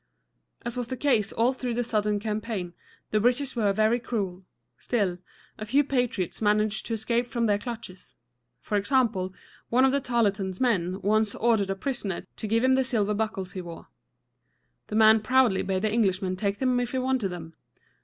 As was the case all through the Southern campaign, the British were very cruel; still, a few patriots managed to escape from their clutches. For example, one of Tarleton's men once ordered a prisoner to give him the silver buckles he wore. The man proudly bade the Englishman take them if he wanted them.